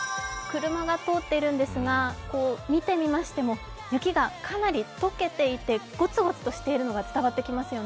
車が通っているんですが見てみましても雪がかなり解けていてゴツゴツとしているのが伝わってきますよね。